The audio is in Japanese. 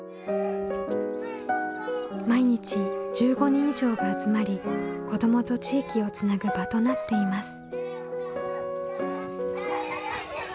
毎日１５人以上が集まり子どもと地域をつなぐ場となっています。